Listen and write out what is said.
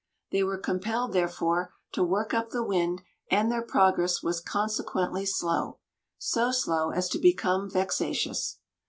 They were compelled, therefore, to work up the wind and their progress was consequently slow, so slow as to become vexatious.